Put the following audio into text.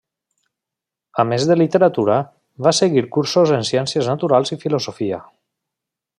A més de literatura, va seguir cursos en ciències naturals i filosofia.